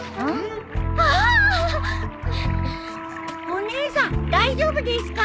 お姉さん大丈夫ですか？